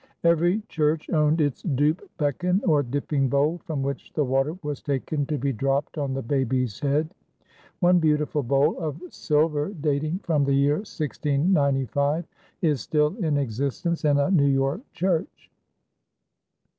Every church owned its doop becken or dipping bowl from which the water was taken to be dropped on the baby's head. One beautiful bowl of silver dating from the year 1695 is still in existence in a New York church.